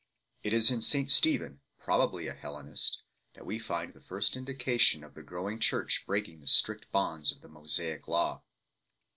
It is in St Stephen, probably a Hellenist, that we find the first indication of the growing church breaking the strict bonds of the Mosaic Law.